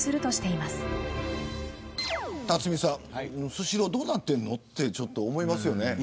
スシローどうなっているのとちょっと思いますよね。